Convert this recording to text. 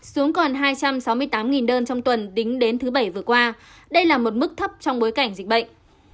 xuống còn hai trăm sáu mươi tám đơn trong tuần đính đến thứ bảy vừa qua đây là một mức thấp trong bối cảnh dịch bệnh